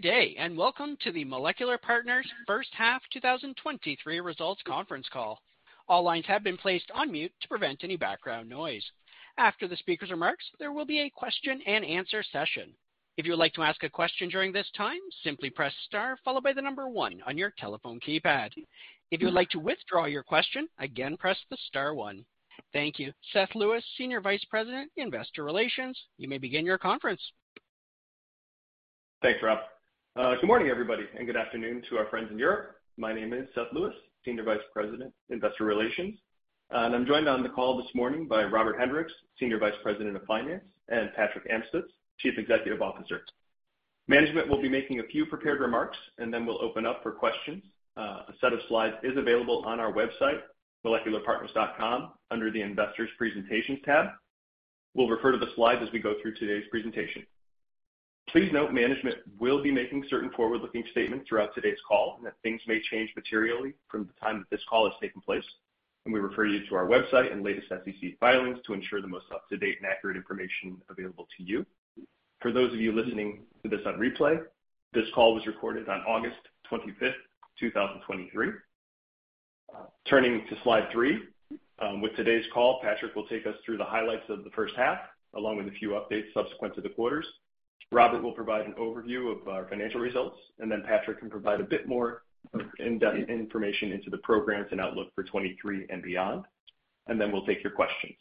Good day, and welcome to the Molecular Partners First Half 2023 Results Conference Call. All lines have been placed on mute to prevent any background noise. After the speaker's remarks, there will be a question-and-answer session. If you would like to ask a question during this time, simply press star followed by the number one on your telephone keypad. If you would like to withdraw your question, again, press the star one. Thank you. Seth Lewis, Senior Vice President, Investor Relations, you may begin your conference. Thanks, Rob. Good morning, everybody, and good afternoon to our friends in Europe. My name is Seth Lewis, Senior Vice President, Investor Relations, and I'm joined on the call this morning by Robert Hendriks, Senior Vice President of Finance, and Patrick Amstutz, Chief Executive Officer. Management will be making a few prepared remarks, and then we'll open up for questions. A set of slides is available on our website, molecularpartners.com, under the Investors Presentations tab. We'll refer to the slides as we go through today's presentation. Please note, management will be making certain forward-looking statements throughout today's call, and that things may change materially from the time that this call has taken place, and we refer you to our website and latest SEC filings to ensure the most up-to-date and accurate information available to you. For those of you listening to this on replay, this call was recorded on August 25, 2023. Turning to slide three, with today's call, Patrick will take us through the highlights of the first half, along with a few updates subsequent to the quarters. Robert will provide an overview of our financial results, and then Patrick can provide a bit more in-depth information into the programs and outlook for 2023 and beyond, and then we'll take your questions.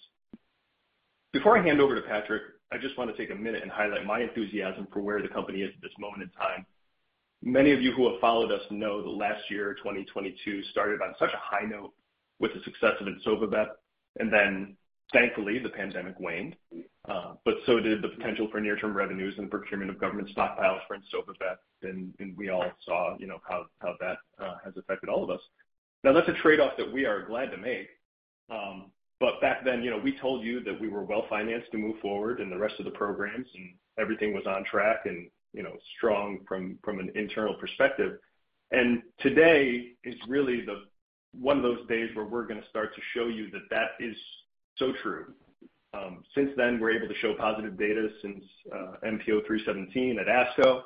Before I hand over to Patrick, I just want to take a minute and highlight my enthusiasm for where the company is at this moment in time. Many of you who have followed us know that last year, 2022, started on such a high note with the success of ensovibep, and then thankfully, the pandemic waned, but so did the potential for near-term revenues and procurement of government stockpiles for ensovibep, and we all saw, you know, how that has affected all of us. Now, that's a trade-off that we are glad to make, but back then, you know, we told you that we were well-financed to move forward in the rest of the programs, and everything was on track and, you know, strong from an internal perspective. Today is really the one of those days where we're gonna start to show you that that is so true. Since then, we're able to show positive data with MP0317 at ASCO.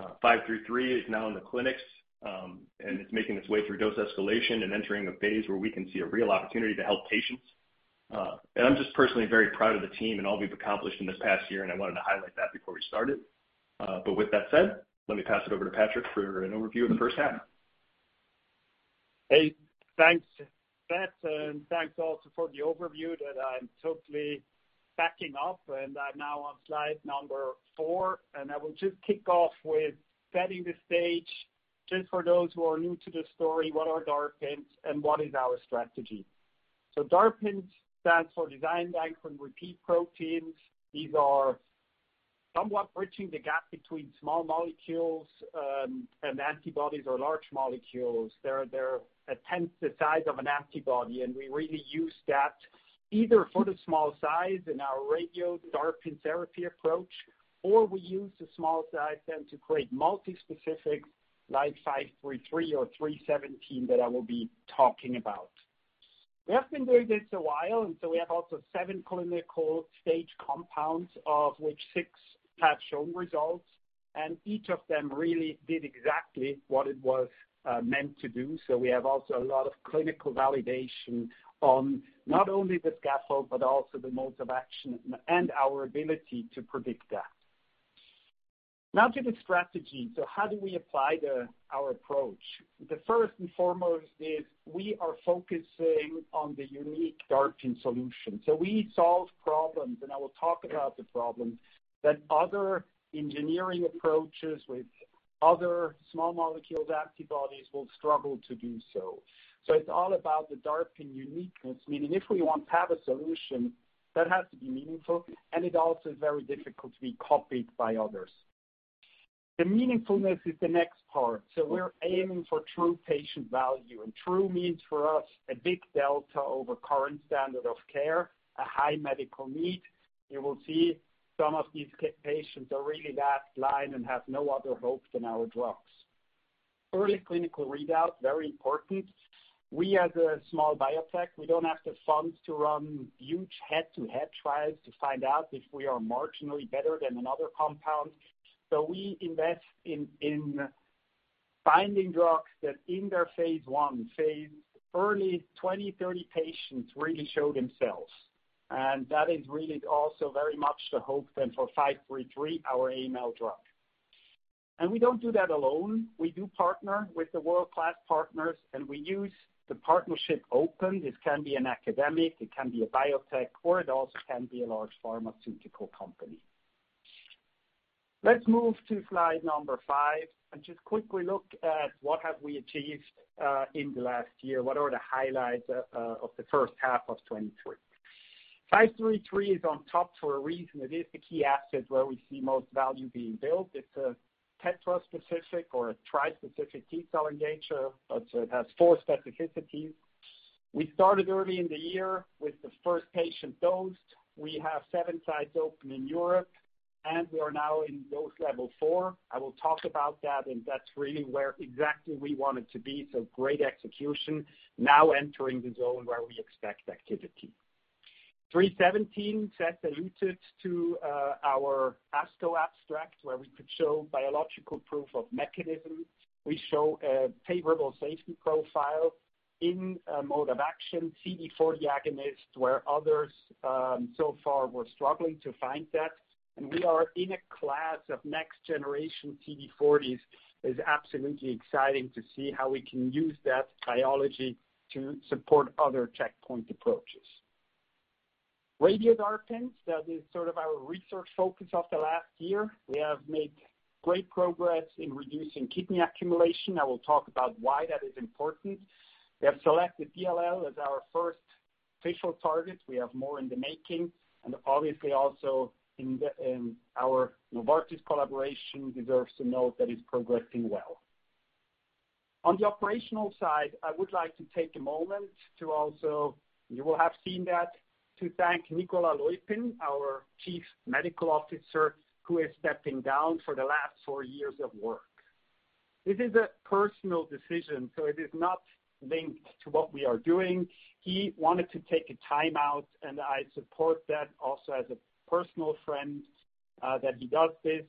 533 is now in the clinics, and it's making its way through dose escalation and entering a phase where we can see a real opportunity to help patients. I'm just personally very proud of the team and all we've accomplished in this past year, and I wanted to highlight that before we started. With that said, let me pass it over to Patrick for an overview of the first half. Hey, thanks, Seth, and thanks also for the overview that I'm totally backing up. I'm now on slide number four, and I will just kick off with setting the stage just for those who are new to the story, what are DARPins and what is our strategy? DARPin stands for Designed Ankyrin Repeat Proteins. These are somewhat bridging the gap between small molecules, and antibodies or large molecules. They're, they're a tenth the size of an antibody, and we really use that either for the small size in our Radio DARPin therapy approach, or we use the small size then to create multispecific, like 533 or 317, that I will be talking about. We have been doing this a while, and so we have also seven clinical stage compounds, of which six have shown results, and each of them really did exactly what it was meant to do. So we have also a lot of clinical validation on not only the scaffold, but also the modes of action and our ability to predict that. Now to the strategy. So how do we apply the, our approach? The first and foremost is we are focusing on the unique DARPin solution. So we solve problems, and I will talk about the problems, that other engineering approaches with other small molecule antibodies will struggle to do so. So it's all about the DARPin uniqueness, meaning if we want to have a solution, that has to be meaningful, and it also is very difficult to be copied by others. The meaningfulness is the next part. So we're aiming for true patient value, and true means for us a big delta over current standard of care, a high medical need. You will see some of these patients are really that blind and have no other hope than our drugs. Early clinical readout, very important. We, as a small biotech, we don't have the funds to run huge head-to-head trials to find out if we are marginally better than another compound. So we invest in finding drugs that in their phase I, early phase, 20, 30 patients really show themselves. And that is really also very much the hope then for 533, our AML drug. And we don't do that alone. We do partner with world-class partners, and we use the partnership open. It can be an academic, it can be a biotech, or it also can be a large pharmaceutical company. Let's move to slide number five and just quickly look at what have we achieved in the last year. What are the highlights of the first half of 2023? 533 is on top for a reason. It is the key asset where we see most value being built. It's a tetraspecific or a trispecific T-cell engager, but so it has four specificities. We started early in the year with the first patient dosed. We have seven sites open in Europe, and we are now in dose level four. I will talk about that, and that's really where exactly we want it to be, so great execution. Now entering the zone where we expect activity. 317, Seth alluded to, our ASCO abstract, where we could show biological proof of mechanism. We show a favorable safety profile in a mode of action, CD40 agonist, where others, so far were struggling to find that. We are in a class of next-generation CD40s. It's absolutely exciting to see how we can use that biology to support other checkpoint approaches. Radio-DARPins, that is sort of our research focus of the last year. We have made great progress in reducing kidney accumulation. I will talk about why that is important. We have selected DLL3 as our first initial target. We have more in the making, and obviously also in our Novartis collaboration, deserves to note that it's progressing well. On the operational side, I would like to take a moment to also, you will have seen that, to thank Nicola Leupin, our Chief Medical Officer, who is stepping down for the last four years of work. This is a personal decision, so it is not linked to what we are doing. He wanted to take a time out, and I support that also as a personal friend, that he does this.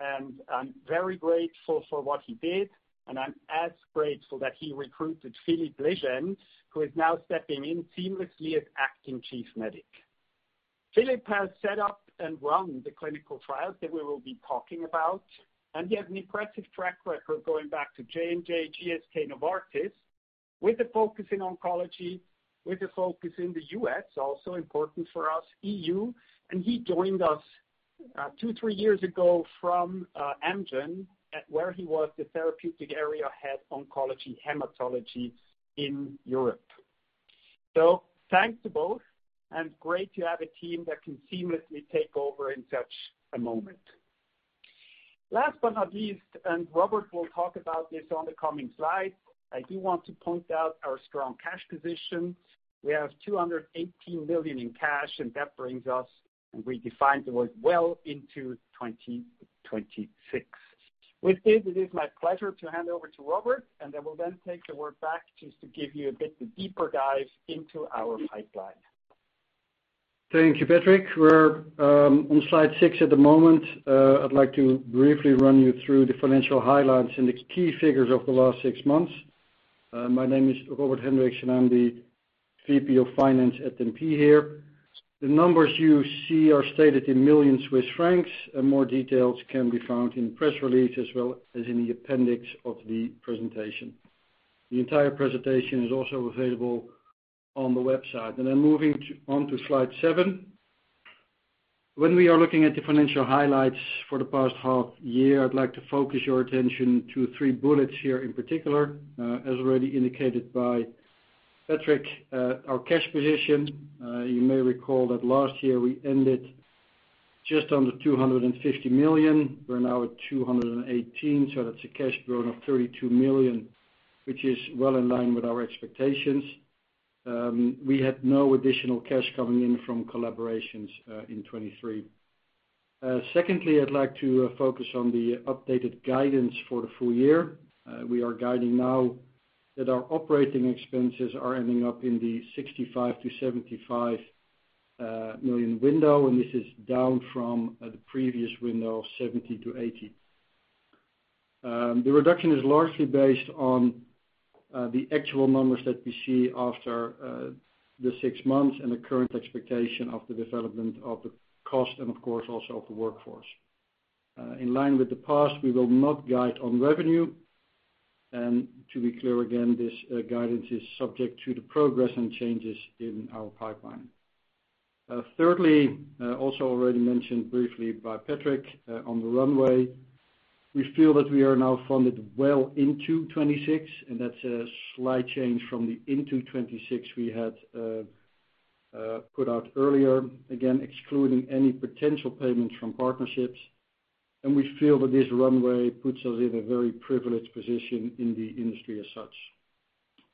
I'm very grateful for what he did, and I'm as grateful that he recruited Philippe Legenne, who is now stepping in seamlessly as acting chief medic. Philippe has set up and run the clinical trials that we will be talking about, and he has an impressive track record going back to J&J, GSK, Novartis, with a focus in oncology, with a focus in the U.S., also important for us, E.U.. He joined us two three years ago from Amgen, where he was the therapeutic area head oncology, hematology in Europe. So thanks to both, and great to have a team that can seamlessly take over in such a moment. Last but not least, and Robert will talk about this on the coming slide, I do want to point out our strong cash position. We have 218 million in cash, and that brings us, and we define the runway well into 2026. With this, it is my pleasure to hand over to Robert, and I will then take the word back just to give you a bit deeper dive into our pipeline. Thank you, Patrick. We're on slide six at the moment. I'd like to briefly run you through the financial highlights and the key figures of the last six months. My name is Robert Hendriks, and I'm the VP of Finance at MP here. The numbers you see are stated in million Swiss francs, and more details can be found in the press release, as well as in the appendix of the presentation. The entire presentation is also available on the website. And then moving on to slide seven. When we are looking at the financial highlights for the past half year, I'd like to focus your attention to three bullets here in particular. As already indicated by Patrick, our cash position, you may recall that last year we ended just under 250 million. We're now at 218 million, so that's a cash growth of 32 million, which is well in line with our expectations. We had no additional cash coming in from collaborations in 2023. Secondly, I'd like to focus on the updated guidance for the full year. We are guiding now that our operating expenses are ending up in the 65 million - 75 million window, and this is down from the previous window of 70 million - 80 million. The reduction is largely based on the actual numbers that we see after the six months and the current expectation of the development of the cost and, of course, also of the workforce. In line with the past, we will not guide on revenue. And to be clear, again, this guidance is subject to the progress and changes in our pipeline. Thirdly, also already mentioned briefly by Patrick, on the runway, we feel that we are now funded well into 2026, and that's a slight change from the into 2026 we had, put out earlier, again, excluding any potential payments from partnerships. And we feel that this runway puts us in a very privileged position in the industry as such.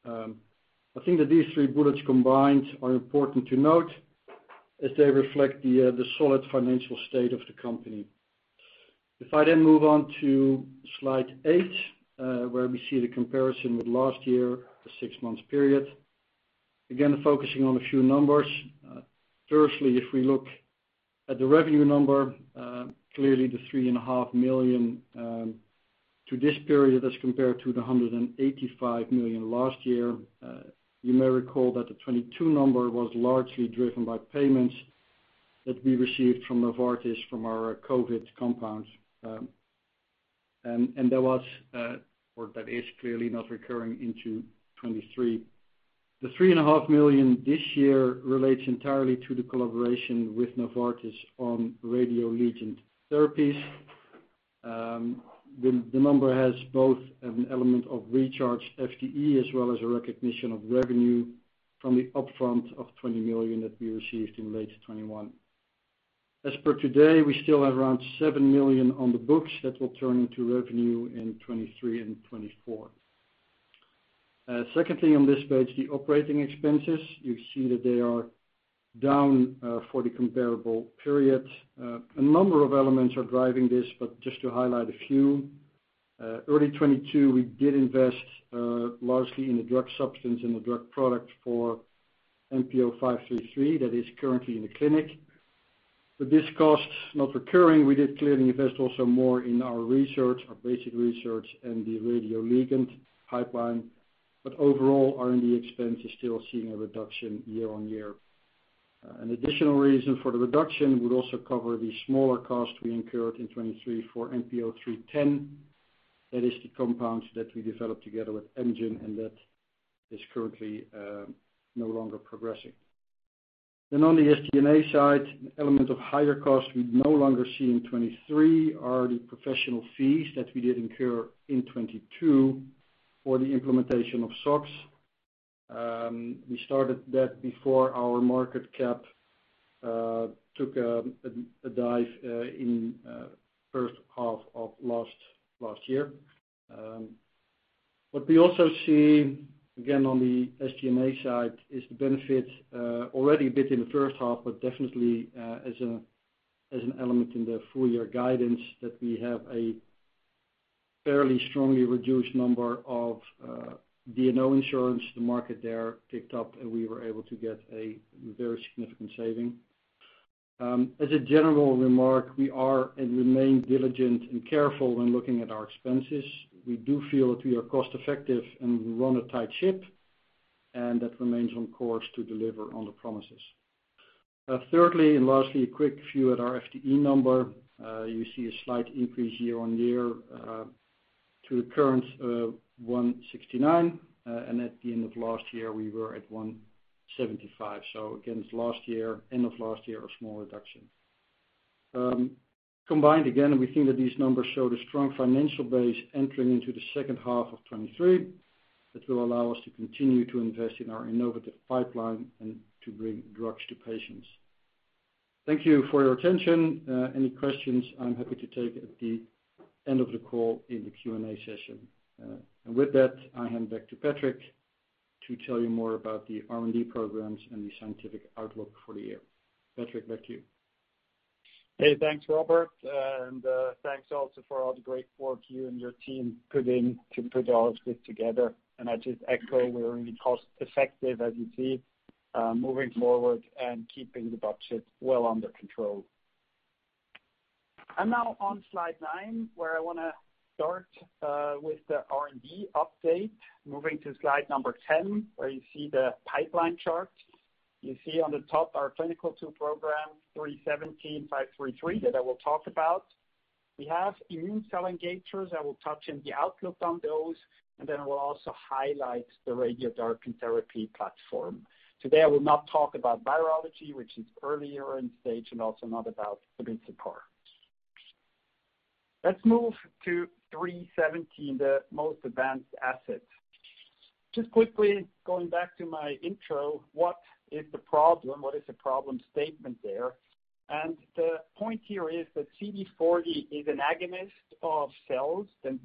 I think that these three bullets combined are important to note as they reflect the, the solid financial state of the company. If I then move on to slide eight, where we see the comparison with last year, the six-month period. Again, focusing on a few numbers. Firstly, if we look at the revenue number, clearly the 0.5 million to this period as compared to the 185 million last year. You may recall that the 2022 number was largely driven by payments that we received from Novartis, from our COVID compounds. And that was, or that is clearly not recurring into 2023. The 3.5 million this year relates entirely to the collaboration with Novartis on Radio-DARPin Therapies. The number has both an element of recharged FTE as well as a recognition of revenue from the upfront of 20 million that we received in late 2021. As per today, we still have around 7 million on the books that will turn into revenue in 2023 and 2024. Secondly, on this page, the operating expenses. You see that they are down for the comparable period. A number of elements are driving this, but just to highlight a few. Early 2022, we did invest largely in the drug substance and the drug product for MP0533 that is currently in the clinic. With this cost not recurring, we did clearly invest also more in our research, our basic research, and the radioligand pipeline. But overall, R&D expense is still seeing a reduction year-on-year. An additional reason for the reduction would also cover the smaller cost we incurred in 2023 for MP0310. That is the compound that we developed together with Amgen, and that is currently no longer progressing. Then on the SG&A side, an element of higher costs we no longer see in 2023 are the professional fees that we did incur in 2022 for the implementation of SOX. We started that before our market cap took a dive in first half of last year. What we also see, again, on the SG&A side, is the benefit, already a bit in the first half, but definitely, as an element in the full year guidance, that we have a fairly strongly reduced number of D&O insurance. The market there picked up, and we were able to get a very significant saving. As a general remark, we are and remain diligent and careful when looking at our expenses. We do feel that we are cost-effective, and we run a tight ship, and that remains on course to deliver on the promises. Thirdly, and lastly, a quick view at our FTE number. You see a slight increase year-on-year, to the current 169, and at the end of last year, we were at 175. So again, it's last year... End of last year, a small reduction. Combined, again, we think that these numbers show the strong financial base entering into the second half of 2023. That will allow us to continue to invest in our innovative pipeline and to bring drugs to patients. Thank you for your attention. Any questions, I'm happy to take at the end of the call in the Q&A session. And with that, I hand back to Patrick to tell you more about the R&D programs and the scientific outlook for the year. Patrick, back to you. Hey, thanks, Robert, and thanks also for all the great work you and your team put in to put all of this together. I just echo, we're really cost-effective, as you see, moving forward and keeping the budget well under control. I'm now on slide nine, where I wanna start with the R&D update. Moving to slide number 10, where you see the pipeline chart. You see on the top our clinical two program, 317, 533, that I will talk about. We have immune cell engagers. I will touch on the outlook on those, and then I will also highlight the Radio-DARPin therapy platform. Today, I will not talk about virology, which is earlier in stage, and also not about abicipar. Let's move to 317, the most advanced asset. Just quickly going back to my intro, what is the problem? What is the problem statement there? And the point here is that CD40 is an agonist of cells and,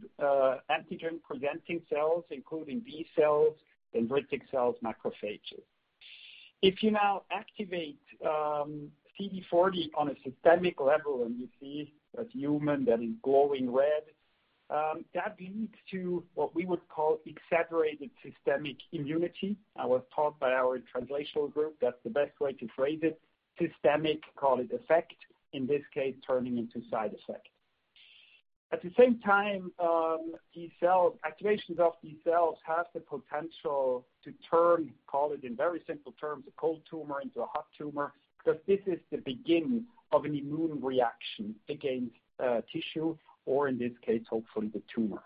antigen-presenting cells, including B cells, dendritic cells, macrophages. If you now activate, CD40 on a systemic level, and you see that human that is glowing red, that leads to what we would call exaggerated systemic immunity. I was taught by our translational group that's the best way to phrase it, systemic, call it, effect, in this case, turning into side effect. At the same time, these cells, activations of these cells have the potential to turn, call it in very simple terms, a cold tumor into a hot tumor, because this is the beginning of an immune reaction against, tissue, or in this case, hopefully the tumor.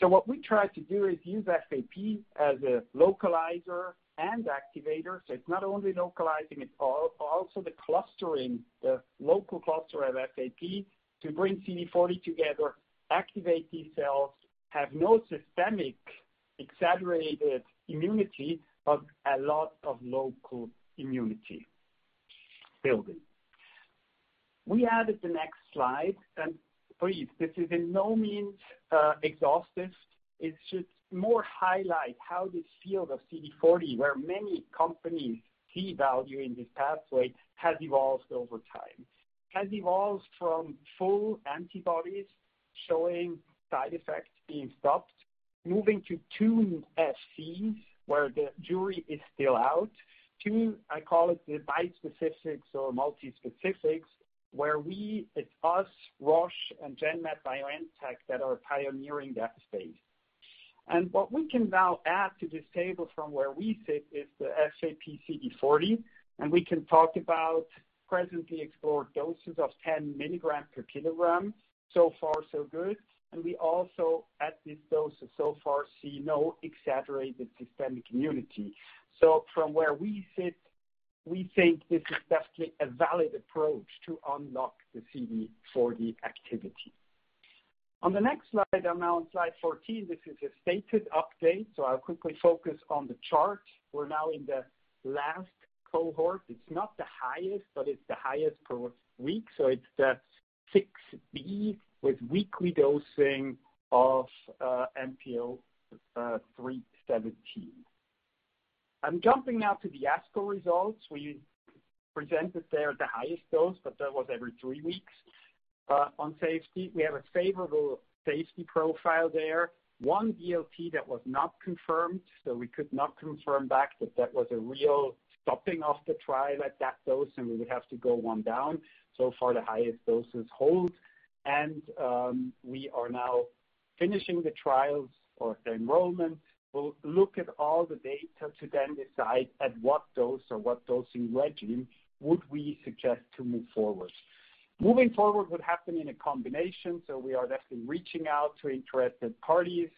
So what we try to do is use FAP as a localizer and activator. So it's not only localizing, it's also the clustering, the local cluster of FAP, to bring CD40 together, activate these cells, have no systemic exaggerated immunity, but a lot of local immunity building. We added the next slide, and please, this is by no means exhaustive. It should more highlight how this field of CD40, where many companies see value in this pathway, has evolved over time. Has evolved from full antibodies showing side effects being stopped, moving to two FCs, where the jury is still out, to, I call it, the bispecifics or multispecifics, where we, it's us, Roche and Genmab, that are pioneering that space. And what we can now add to this table from where we sit is the FAP-CD40, and we can talk about presently explored doses of 10 milligrams per kilogram. So far, so good. We also, at this dose so far, see no exaggerated systemic immunity. So from where we sit, we think this is definitely a valid approach to unlock the CD40 activity. On the next slide, I'm now on slide 14. This is a stated update, so I'll quickly focus on the chart. We're now in the last cohort. It's not the highest, but it's the highest per week, so it's the 6B with weekly dosing of MP0317. I'm jumping now to the ASCO results. We presented there the highest dose, but that was every three weeks. On safety, we have a favorable safety profile there. One DLT that was not confirmed, so we could not confirm back that that was a real stopping of the trial at that dose, and we would have to go one down. So far, the highest doses hold, and we are now finishing the trials or the enrollment. We'll look at all the data to then decide at what dose or what dosing regimen would we suggest to move forward. Moving forward would happen in a combination, so we are definitely reaching out to interested parties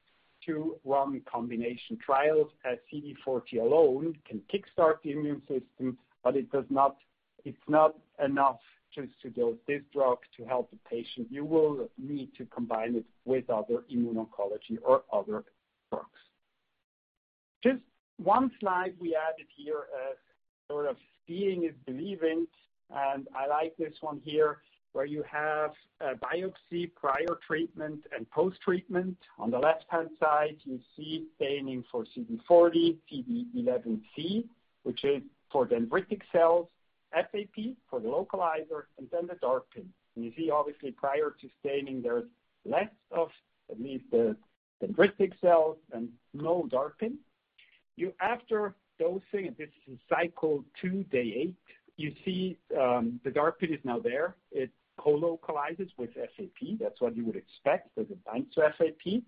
to run combination trials, as CD40 alone can kick-start the immune system, but it does not. It's not enough just to dose this drug to help the patient. You will need to combine it with other immuno-oncology or other drugs. Just one slide we added here, as sort of seeing is believing, and I like this one here, where you have a biopsy, prior treatment, and post-treatment. On the left-hand side, you see staining for CD40, CD11C, which is for dendritic cells, FAP for the localizer, and then the DARPin. You see, obviously, prior to staining, there's less of at least the dendritic cells and no DARPin. You after dosing, this is cycle two, day eight, you see, the DARPin is now there. It co-localizes with FAP. That's what you would expect, as it binds to FAP.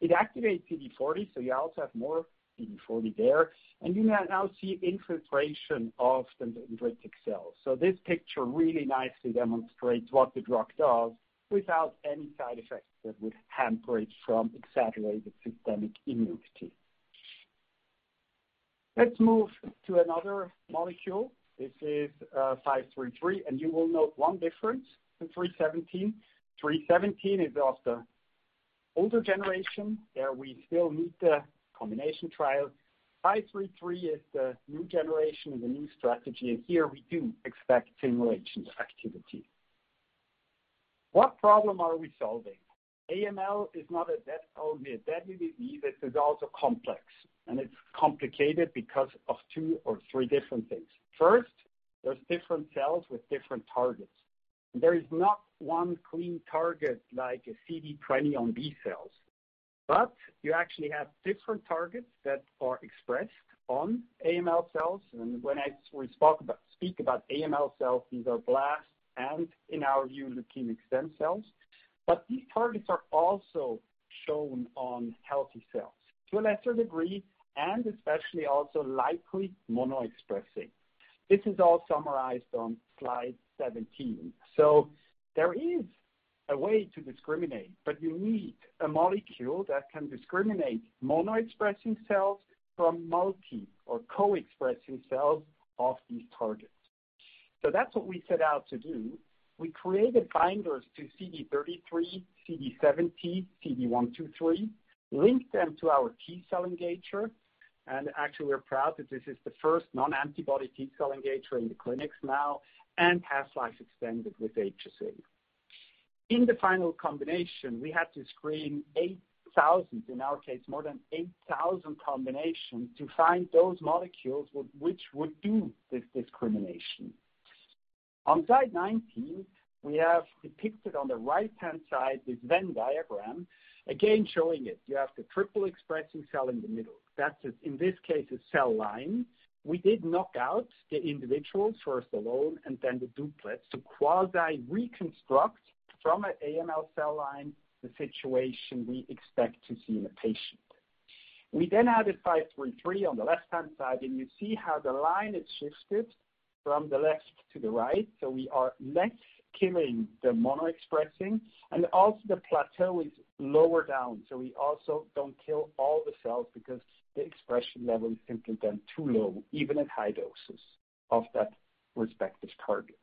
It activates CD40, so you also have more CD40 there, and you now, now see infiltration of the dendritic cells. So this picture really nicely demonstrates what the drug does without any side effects that would hamper it from exaggerated systemic immunity. Let's move to another molecule. This is 533, and you will note one difference from 317. 317 is of the older generation, where we still need the combination trial. 533 is the new generation, the new strategy, and here we do expect stimulation activity. What problem are we solving? AML is not a death, only a deadly disease, it is also complex, and it's complicated because of two or three different things. First, there's different cells with different targets. There is not one clean target like a CD20 on B cells, but you actually have different targets that are expressed on AML cells. And when we speak about AML cells, these are blasts, and in our view, leukemic stem cells. But these targets are also shown on healthy cells to a lesser degree, and especially also likely mono expressing. This is all summarized on slide 17. So there is a way to discriminate, but you need a molecule that can discriminate mono expressing cells from multi or co-expressing cells of these targets. So that's what we set out to do. We created binders to CD33, CD70, CD123, linked them to our T-cell engager. Actually, we're proud that this is the first non-antibody T-cell engager in the clinics now, and has life extended with HSA. In the final combination, we had to screen 8,000, in our case, more than 8,000 combinations, to find those molecules which would do this discrimination. On slide 19, we have depicted on the right-hand side, this Venn diagram, again, showing it. You have the triple expressing cell in the middle. That's in this case, a cell line. We did knock out the individuals, first alone and then the duplets, to quasi-reconstruct from an AML cell line, the situation we expect to see in a patient. We then added MP0533 on the left-hand side, and you see how the line is shifted from the left to the right, so we are less killing the mono expressing, and also the plateau is lower down, so we also don't kill all the cells because the expression level is simply then too low, even at high doses of that respective target.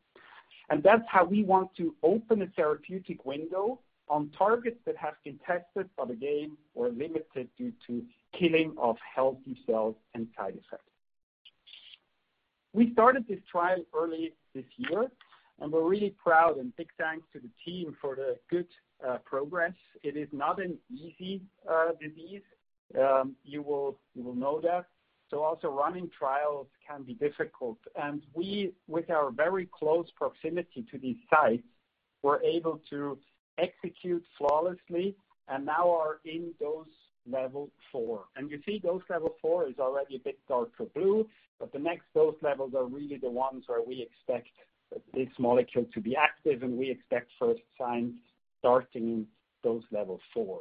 And that's how we want to open a therapeutic window on targets that have been tested, but again, were limited due to killing of healthy cells and side effects. We started this trial early this year, and we're really proud and big thanks to the team for the good progress. It is not an easy disease. You will, you will know that. So also running trials can be difficult, and we, with our very close proximity to these sites, were able to execute flawlessly and now are in dose level four. And you see dose level four is already a bit darker blue, but the next dose levels are really the ones where we expect this molecule to be active, and we expect first signs starting in dose level four.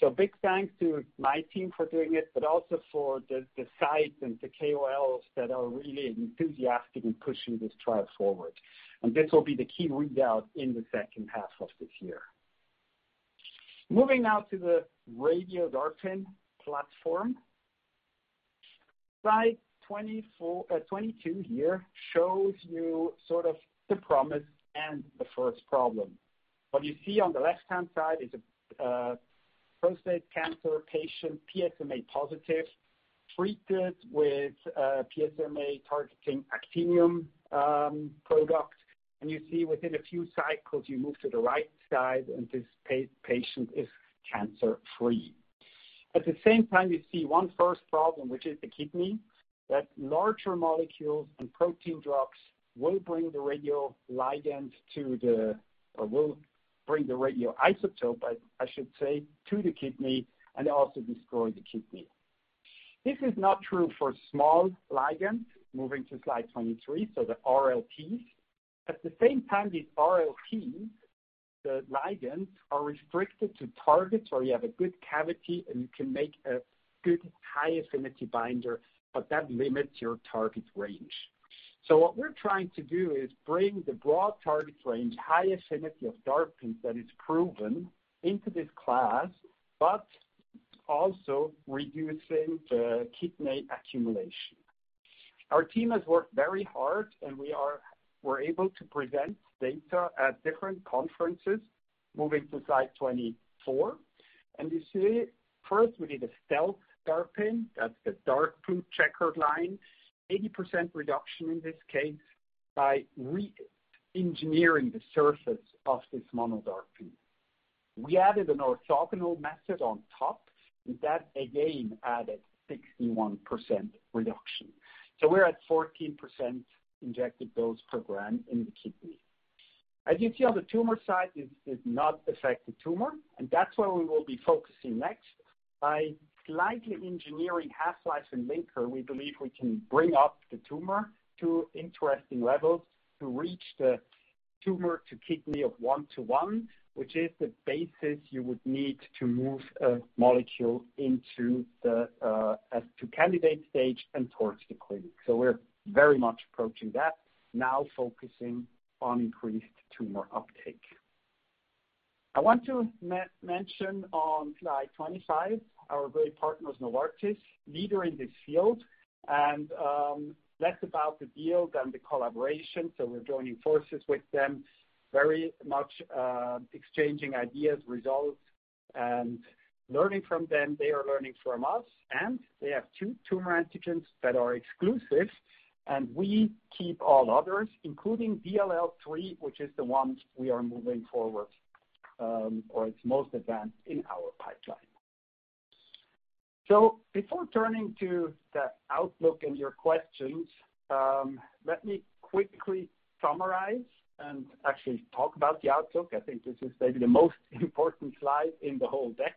So big thanks to my team for doing it, but also for the, the sites and the KOLs that are really enthusiastic in pushing this trial forward. And this will be the key readout in the second half of this year. Moving now to the Radio-DARPin platform. Slide 24, 22 here shows you sort of the promise and the first problem. What you see on the left-hand side is a prostate cancer patient, PSMA positive, treated with a PSMA-targeting actinium product, and you see within a few cycles, you move to the right side, and this patient is cancer-free. At the same time, you see one first problem, which is the kidney, that larger molecules and protein drugs will bring the radioligand to the, or will bring the radioisotope, I should say, to the kidney and also destroy the kidney. This is not true for small ligands. Moving to slide 23, so the RLTs. At the same time, these RLTs, the ligands, are restricted to targets, or you have a good cavity, and you can make a good high-affinity binder, but that limits your target range. So what we're trying to do is bring the broad target range, high affinity of DARPin that is proven into this class, but also reducing the kidney accumulation. Our team has worked very hard, and we were able to present data at different conferences. Moving to slide 24, and you see, first, we did a stealth DARPin, that's the dark blue checkered line, 80% reduction in this case by re-engineering the surface of this mono DARPin. We added an orthogonal method on top, and that again added 61% reduction. So we're at 14% injected dose per gram in the kidney. As you see on the tumor side, this did not affect the tumor, and that's where we will be focusing next. By slightly engineering half-life and linker, we believe we can bring up the tumor to interesting levels to reach the tumor to kidney of one to one, which is the basis you would need to move a molecule into the IND candidate stage and towards the clinic. So we're very much approaching that, now focusing on increased tumor uptake. I want to mention on slide 25, our great partners, Novartis, leader in this field, and less about the deal than the collaboration. So we're joining forces with them, very much exchanging ideas, results, and learning from them. They are learning from us, and they have two tumor antigens that are exclusive, and we keep all others, including DLL3, which is the one we are moving forward, or it's most advanced in our pipeline. So before turning to the outlook and your questions, let me quickly summarize and actually talk about the outlook. I think this is maybe the most important slide in the whole deck.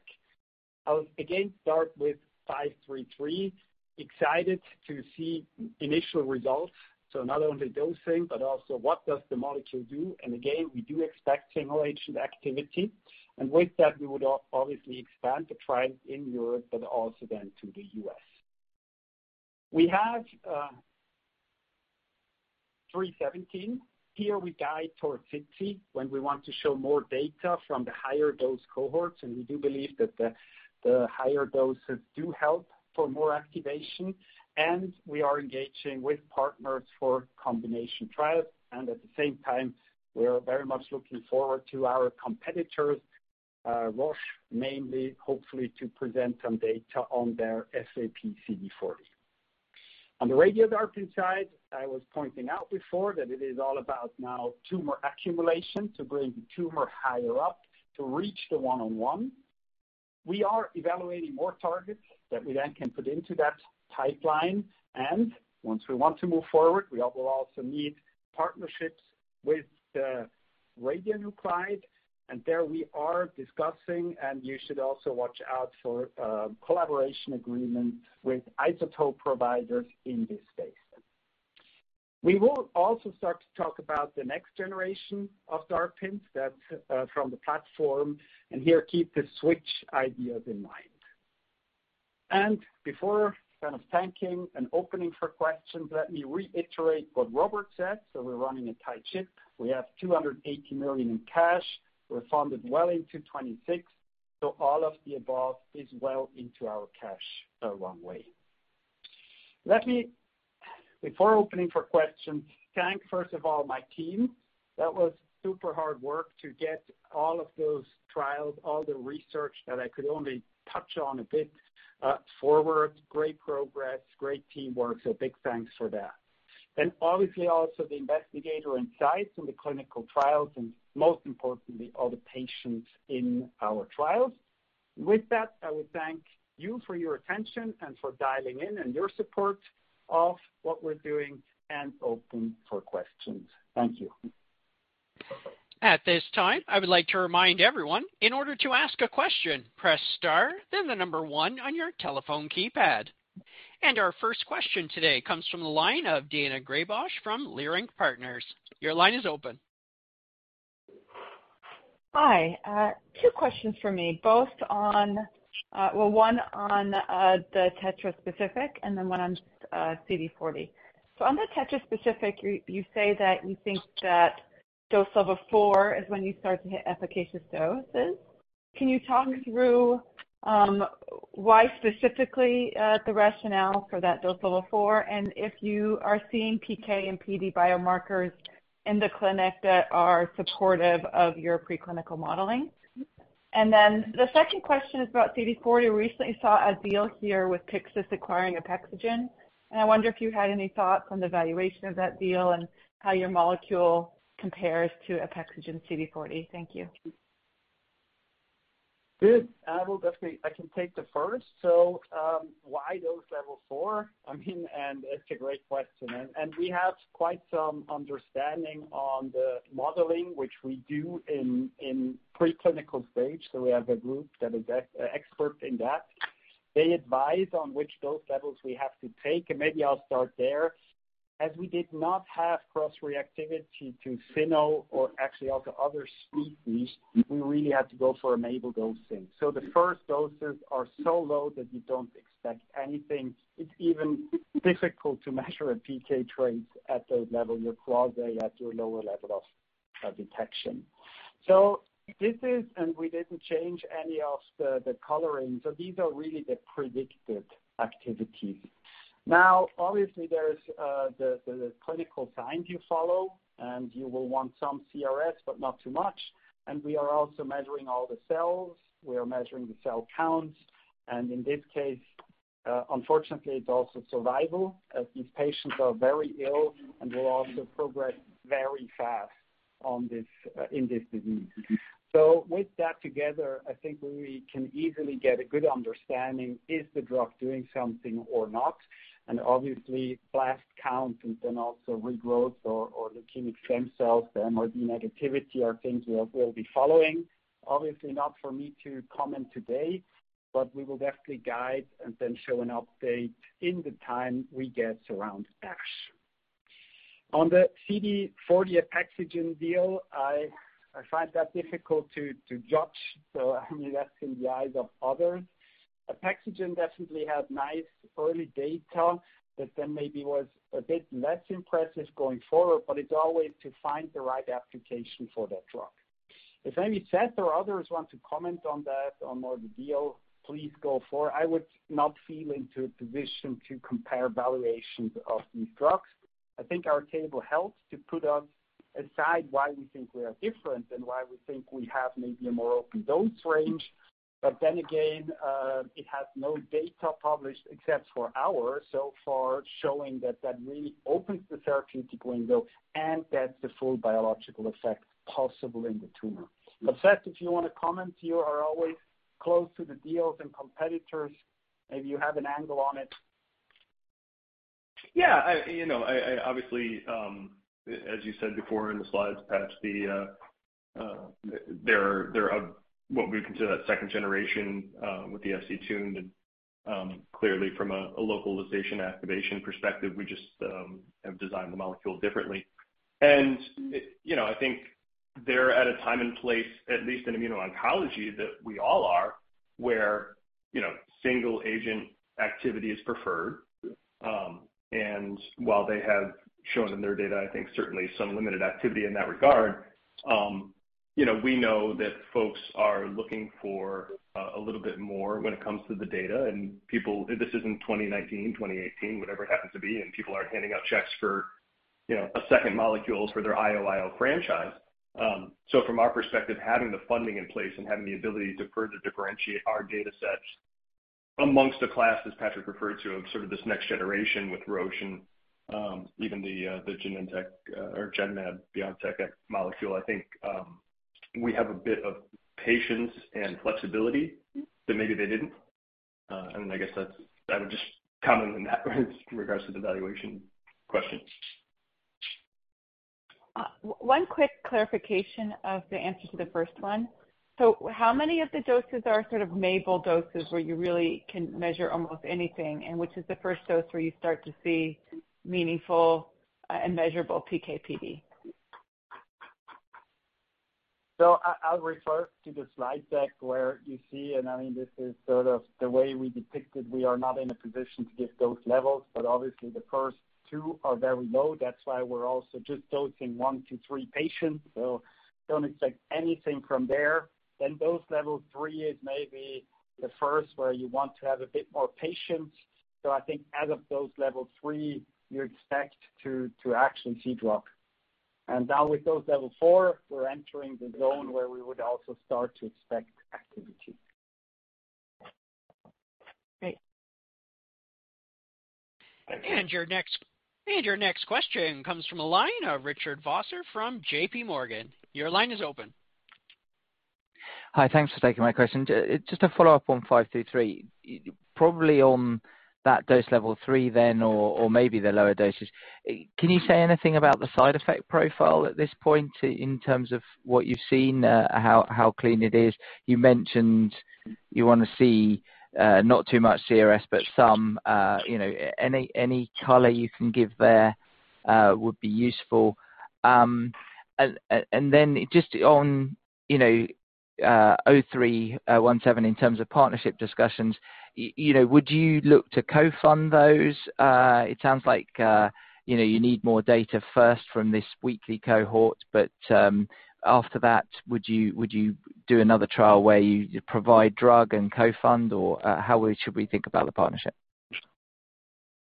I'll again start with 533, excited to see initial results, so not only dosing, but also what does the molecule do? And again, we do expect T-cell activity, and with that, we would obviously expand the trial in Europe, but also then to the U.S. We have 317. Here we guide toward 50, when we want to show more data from the higher dose cohorts, and we do believe that the higher doses do help for more activation, and we are engaging with partners for combination trials. And at the same time, we are very much looking forward to our competitors, Roche, mainly hopefully to present some data on their FAP CD40. On the Radio-DARPin side, I was pointing out before that it is all about now tumor accumulation to bring the tumor higher up to reach the one-on-one. We are evaluating more targets that we then can put into that pipeline, and once we want to move forward, we will also need partnerships with the radionuclide, and there we are discussing, and you should also watch out for, collaboration agreement with isotope providers in this space. We will also start to talk about the next generation of DARPins, that, from the platform, and here, keep the switch ideas in mind. Before kind of thanking and opening for questions, let me reiterate what Robert said. So we're running a tight ship. We have 280 million in cash. We're funded well into 2026, so all of the above is well into our cash runway Let me, before opening for questions, thank, first of all, my team. That was super hard work to get all of those trials, all the research that I could only touch on a bit, forward. Great progress, great teamwork, so big thanks for that. Then obviously also the investigator and sites in the clinical trials, and most importantly, all the patients in our trials. With that, I would thank you for your attention and for dialing in and your support of what we're doing, and open for questions. Thank you. At this time, I would like to remind everyone, in order to ask a question, press star, then one on your telephone keypad. Our first question today comes from the line of Diana Graybosch from Leerink Partners. Your line is open. Hi, two questions for me, both on... one on the tetraspecific and then one on CD40. So on the tetraspecific, you say that you think that dose level four is when you start to hit efficacious doses. Can you talk through why specifically the rationale for that dose level four, and if you are seeing PK and PD biomarkers in the clinic that are supportive of your preclinical modeling? And then the second question is about CD40. We recently saw a deal here with Pyxis acquiring Apexigen, and I wonder if you had any thoughts on the valuation of that deal and how your molecule compares to Apexigen CD40. Thank you. Good. I will definitely, I can take the first. So, why dose level four? I mean, and it's a great question, and we have quite some understanding on the modeling, which we do in preclinical stage. So we have a group that is expert in that. They advise on which dose levels we have to take, and maybe I'll start there. As we did not have cross-reactivity to cyno or actually all the other species, we really had to go for a MABEL dosing. So the first doses are so low that you don't expect anything. It's even difficult to measure a PK trace at those levels. You're quasi at your lower level of detection. So this is, and we didn't change any of the coloring, so these are really the predicted activities. Now, obviously there's the clinical signs you follow, and you will want some CRS, but not too much. And we are also measuring all the cells. We are measuring the cell counts, and in this case, unfortunately, it's also survival, as these patients are very ill and will also progress very fast on this, in this disease. So with that together, I think we can easily get a good understanding, is the drug doing something or not? And obviously, blast count and then also regrowth or leukemic stem cells, the MRD negativity, are things we'll be following. Obviously, not for me to comment today, but we will definitely guide and then show an update in the time we get around ASH. On the CD40 Apexigen deal, I find that difficult to judge, so I mean, that's in the eyes of others. Apexigen definitely had nice early data that then maybe was a bit less impressive going forward, but it's always to find the right application for that drug. If Seth or others want to comment on that or more on the deal, please go for it. I would not feel in a position to compare valuations of these drugs. I think our table helps to put aside why we think we are different and why we think we have maybe a more open dose range. But then again, it has no data published except for ours so far, showing that that really opens the therapeutic window and gets the full biological effect possible in the tumor. But Seth, if you want to comment, you are always close to the deals and competitors. Maybe you have an angle on it. Yeah, you know, I obviously, as you said before in the slides, Patch, there are what we consider that second generation with the FC tuned, and clearly from a localization activation perspective, we just have designed the molecule differently. And, you know, I think they're at a time and place, at least in immuno-oncology, that we all are, where, you know, single agent activity is preferred. And while they have shown in their data, I think certainly some limited activity in that regard, you know, we know that folks are looking for a little bit more when it comes to the data and people... This isn't 2019, 2018, whatever it happens to be, and people aren't handing out checks for, you know, a second molecule for their IO-IO franchise. So, from our perspective, having the funding in place and having the ability to further differentiate our data sets among the class, as Patrick referred to, of sort of this next generation with Roche and even the Genentech or Genmab, BioNTech molecule, I think we have a bit of patience and flexibility- Mm-hmm. that maybe they didn't. And I guess that's, I would just comment on that in regards to the valuation question. One quick clarification of the answer to the first one. So how many of the doses are sort of MABEL doses, where you really can measure almost anything? And which is the first dose where you start to see meaningful, and measurable PK/PD? I'll refer to the slide deck where you see, and I mean, this is sort of the way we depicted. We are not in a position to give those levels, but obviously the first two are very low. That's why we're also just dosing one to three patients, so don't expect anything from there. Then those level three is maybe the first where you want to have a bit more patience. I think as of those level three, you expect to actually see drug. And now with those level four, we're entering the zone where we would also start to expect activity. Great. Your next question comes from the line of Richard Vosser from JPMorgan. Your line is open. Hi, thanks for taking my question. Just to follow up on MP0533, probably on that dose level three then or, or maybe the lower doses, can you say anything about the side effect profile at this point in terms of what you've seen, how clean it is? You mentioned you want to see not too much CRS, but some, you know, any color you can give there would be useful. And then just on, you know, MP0317, in terms of partnership discussions, you know, would you look to co-fund those? It sounds like, you know, you need more data first from this weekly cohort, but after that, would you do another trial where you provide drug and co-fund, or how should we think about the partnership?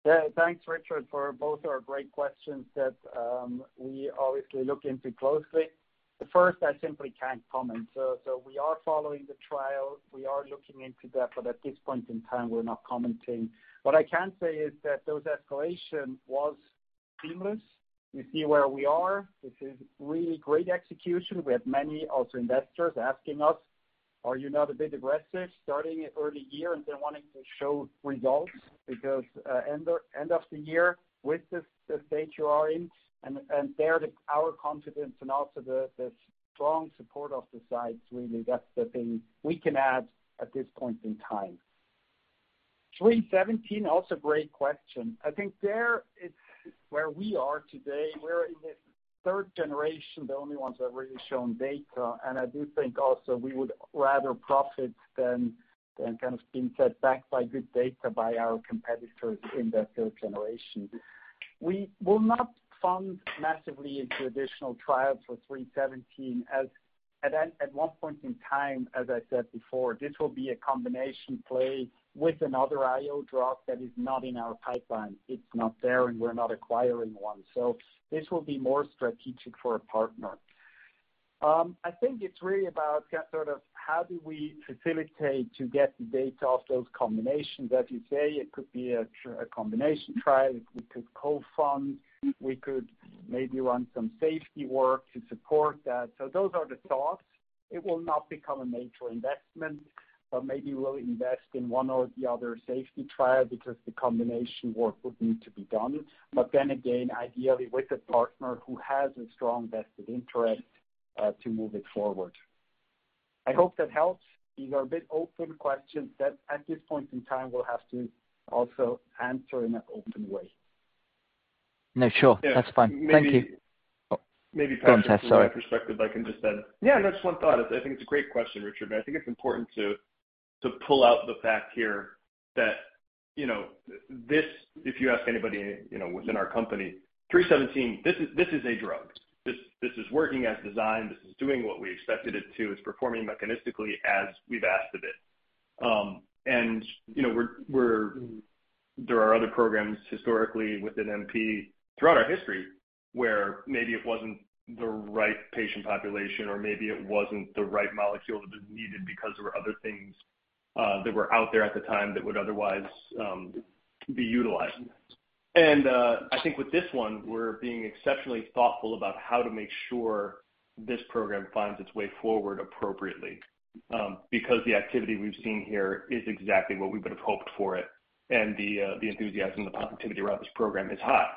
Yeah. Thanks, Richard, for both are great questions that we obviously look into closely. The first, I simply can't comment. So, so we are following the trial, we are looking into that, but at this point in time, we're not commenting. What I can say is that those escalation was seamless. You see where we are. This is really great execution. We had many also investors asking us, are you not a bit aggressive starting an early year and then wanting to show results? Because end of, end of the year with the, the stage you are in, and, and there our confidence and also the, the strong support of the science, really, that's the thing we can add at this point in time. 317, also great question. I think there, it's where we are today. We're in the third generation, the only ones that have really shown data. And I do think also we would rather profit than, than kind of being set back by good data by our competitors in that third generation. We will not fund massively into additional trials for 317, as at one point in time, as I said before, this will be a combination play with another IO drug that is not in our pipeline. It's not there, and we're not acquiring one. So this will be more strategic for a partner. I think it's really about sort of how do we facilitate to get the data of those combinations. As you say, it could be a combination trial, we could co-fund, we could maybe run some safety work to support that. So those are the thoughts. It will not become a major investment, but maybe we'll invest in one or the other safety trial because the combination work would need to be done. But then again, ideally with a partner who has a strong vested interest to move it forward. I hope that helps. These are a bit open questions that at this point in time, we'll have to also answer in an open way. No, sure. That's fine. Thank you. Maybe, Patrick, from my perspective, I can just add. Yeah, just one thought. I think it's a great question, Richard. I think it's important to pull out the fact here that, you know, this, if you ask anybody, you know, within our company, 317, this is, this is a drug. This, this is working as designed. This is doing what we expected it to. It's performing mechanistically as we've asked of it. And, you know, there are other programs historically within MP, throughout our history, where maybe it wasn't the right patient population, or maybe it wasn't the right molecule that was needed because there were other things that were out there at the time that would otherwise be utilized. And, I think with this one, we're being exceptionally thoughtful about how to make sure this program finds its way forward appropriately, because the activity we've seen here is exactly what we would have hoped for it, and the, the enthusiasm and the positivity around this program is high.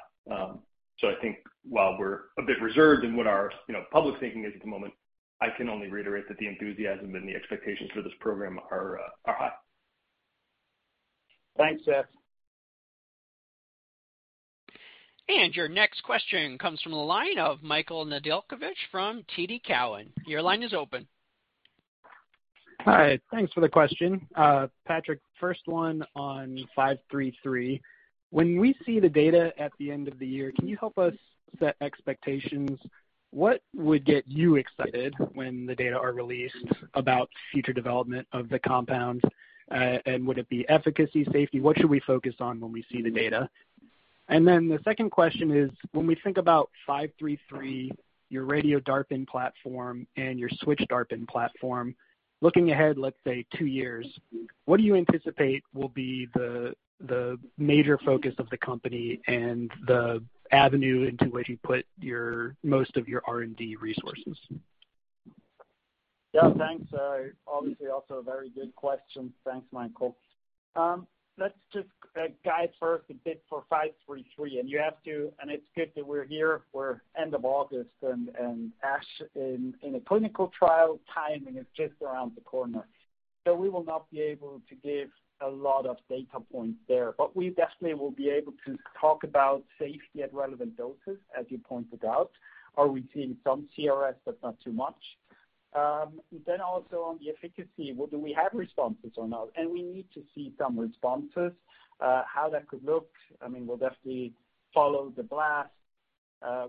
So I think while we're a bit reserved in what our, you know, public thinking is at the moment, I can only reiterate that the enthusiasm and the expectations for this program are, are high. Thanks, Seth. Your next question comes from the line of Michael Nedelcovych from TD Cowen. Your line is open. Hi, thanks for the question. Patrick, first one on MP0533. When we see the data at the end of the year, can you help us set expectations? What would get you excited when the data are released about future development of the compound? And would it be efficacy, safety? What should we focus on when we see the data? And then the second question is, when we think about MP0533, your Radio-DARPin platform and your Switch-DARPin platform, looking ahead, let's say, two years, what do you anticipate will be the, the major focus of the company and the avenue into which you put your, most of your R&D resources? Yeah, thanks. Obviously, also a very good question. Thanks, Michael. Let's just guide first a bit for MP0533, and it's good that we're here for end of August and ASH in a clinical trial. Timing is just around the corner. So we will not be able to give a lot of data points there, but we definitely will be able to talk about safety at relevant doses, as you pointed out. Are we seeing some CRS, but not too much? Then also on the efficacy, well, do we have responses or not? And we need to see some responses. How that could look, I mean, we'll definitely follow the blast.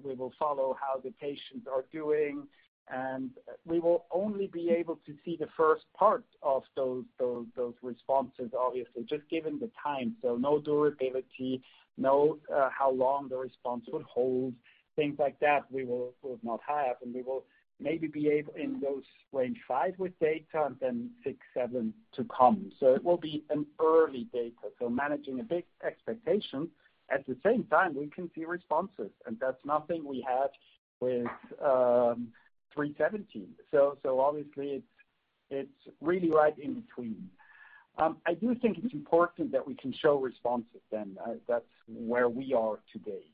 We will follow how the patients are doing, and we will only be able to see the first part of those responses, obviously, just given the time. So no durability, no how long the response would hold, things like that we will not have, and we will maybe be able in those range five with data and then six, seven to come. So it will be an early data. So managing a big expectation. At the same time, we can see responses, and that's nothing we had with MP0317. So obviously, it's really right in between. I do think it's important that we can show responses then. That's where we are today.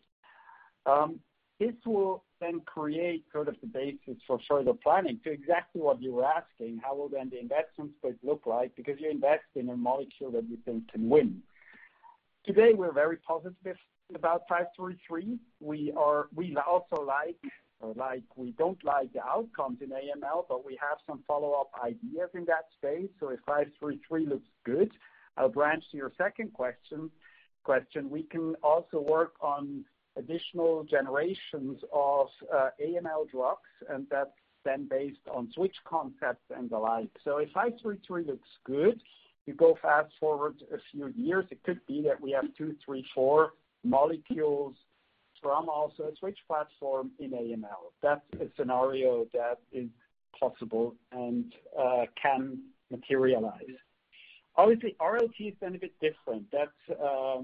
This will then create sort of the basis for further planning to exactly what you were asking, how will then the investment space look like? Because you're investing in a molecule that you think can win. Today, we're very positive about five three three. We are we also like, or like, we don't like the outcomes in AML, but we have some follow-up ideas in that space. So if five three three looks good, I'll branch to your second question. We can also work on additional generations of AML drugs, and that's then based on switch concepts and the like. So if five three three looks good, you go fast forward a few years, it could be that we have two, three, four molecules from also a switch platform in AML. That's a scenario that is possible and can materialize. Obviously, RLT is then a bit different. That's,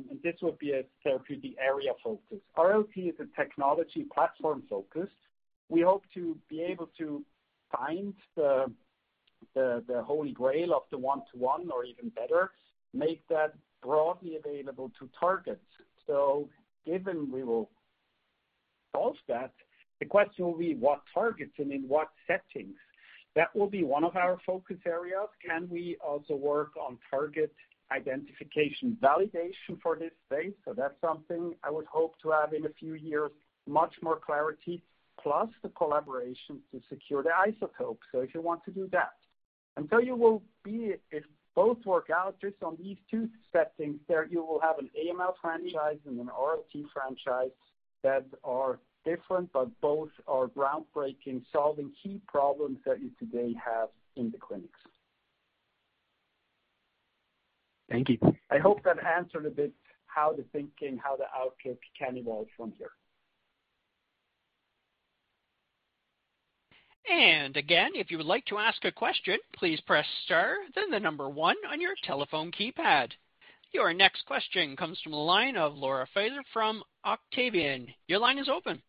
and this would be a therapy, the area focus. RLT is a technology platform focus. We hope to be able to find the Holy Grail of the one-to-one, or even better, make that broadly available to targets. So given we will solve that, the question will be what targets and in what settings? That will be one of our focus areas. Can we also work on target identification, validation for this space? So that's something I would hope to have in a few years, much more clarity, plus the collaboration to secure the isotopes. So if you want to do that. And so you will be, if both work out just on these two settings, there you will have an AML franchise and an RLT franchise that are different, but both are groundbreaking, solving key problems that you today have in the clinics. Thank you. I hope that answered a bit how the thinking, how the outlook can evolve from here. And again, if you would like to ask a question, please press star, then the number one on your telephone keypad. Your next question comes from the line of Laura Faiser from Octavian. Your line is open.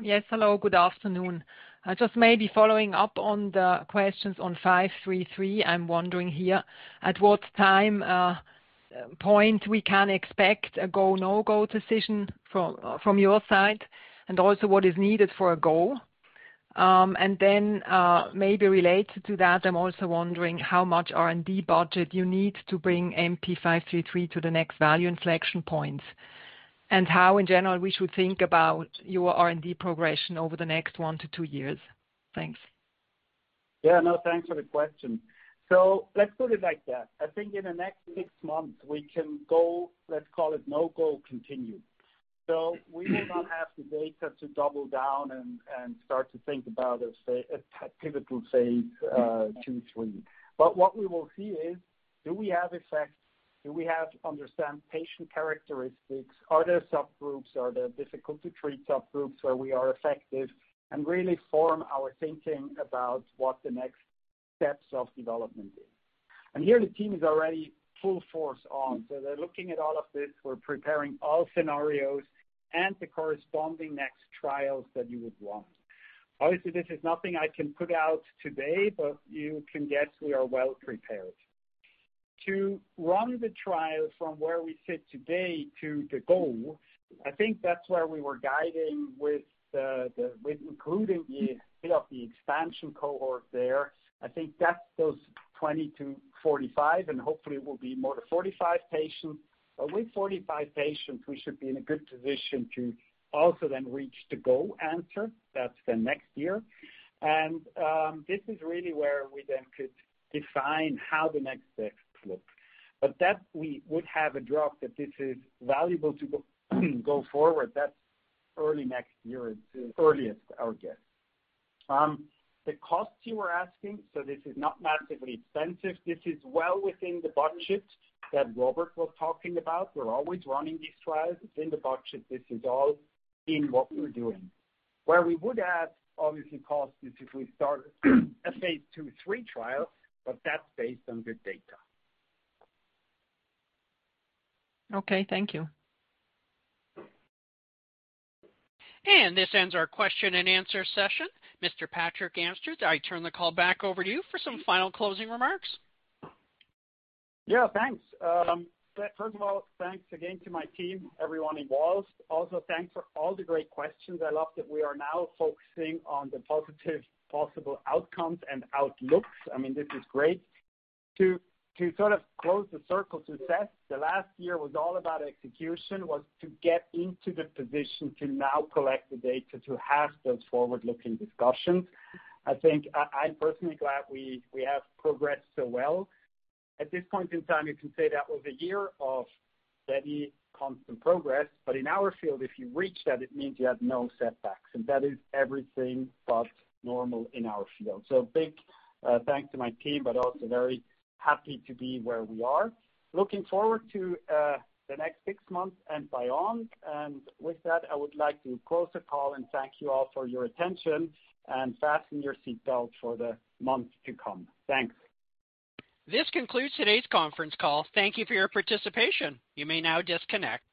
Yes, hello, good afternoon. I just may be following up on the questions on 533. I'm wondering here, at what time point we can expect a go, no-go decision from your side, and also what is needed for a go? And then, maybe related to that, I'm also wondering how much R&D budget you need to bring MP0533 to the next value inflection points, and how, in general, we should think about your R&D progression over the next one to two years. Thanks. Yeah, no, thanks for the question. So let's put it like that. I think in the next six months, we can go, let's call it no-go continue. So we will not have the data to double down and, and start to think about a say, a pivotal phase II/III. But what we will see is, do we have effects? Do we have to understand patient characteristics? Are there subgroups? Are there difficult-to-treat subgroups where we are effective? And really form our thinking about what the next steps of development is. And here, the team is already full force on. So they're looking at all of this. We're preparing all scenarios and the corresponding next trials that you would want. Obviously, this is nothing I can put out today, but you can guess we are well prepared. To run the trial from where we sit today to the goal, I think that's where we were guiding with including the expansion cohort there. I think that's those 20-45, and hopefully it will be more to 45 patients. But with 45 patients, we should be in a good position to also then reach the go answer. That's the next year. And this is really where we then could define how the next steps look. But that we would have a drop, that this is valuable to go forward. That's early next year, it's earliest, I would guess. The costs you were asking, so this is not massively expensive. This is well within the budget that Robert was talking about. We're always running these trials. It's in the budget. This is all in what we're doing. Where we would add, obviously, costs is if we start a phase II/III trial, but that's based on good data. Okay, thank you. This ends our question and answer session. Mr. Patrick Amstutz, I turn the call back over to you for some final closing remarks. Yeah, thanks. First of all, thanks again to my team, everyone involved. Also, thanks for all the great questions. I love that we are now focusing on the positive possible outcomes and outlooks. I mean, this is great. To sort of close the circle to test, the last year was all about execution, was to get into the position to now collect the data, to have those forward-looking discussions. I think I'm personally glad we have progressed so well. At this point in time, you can say that was a year of steady, constant progress, but in our field, if you reach that, it means you have no setbacks, and that is everything but normal in our field. So big thanks to my team, but also very happy to be where we are. Looking forward to the next six months and beyond. With that, I would like to close the call and thank you all for your attention and fasten your seatbelt for the months to come. Thanks. This concludes today's conference call. Thank you for your participation. You may now disconnect.